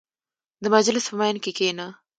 • د مجلس په منځ کې کښېنه.